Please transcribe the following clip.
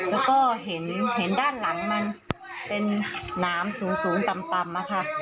แล้วก็เห็นด้านหลังมันเป็นน้ำสูงต่ำอะค่ะ